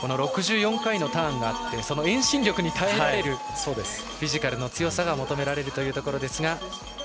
６４回のターンがあって遠心力に耐えられるフィジカルの強さが求められるというところですが。